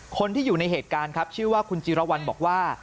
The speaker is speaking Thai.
คนที่อยู่ในเหตุการณ์ครับชื่อว่าคุณจิรวรรณบอกว่า